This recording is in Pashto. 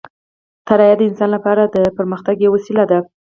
طیاره د انسان لپاره د پرمختګ یوه وسیله ده.